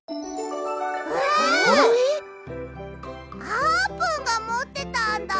あーぷんがもってたんだ！